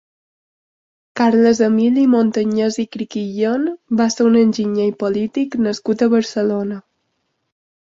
Carles Emili Montañès i Criquillion va ser un enginyer i polític nascut a Barcelona.